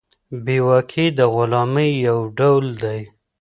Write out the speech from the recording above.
بې واکي د غلامۍ يو ډول دی.